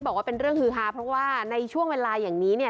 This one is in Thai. บอกว่าเป็นเรื่องฮือฮาเพราะว่าในช่วงเวลาอย่างนี้เนี่ย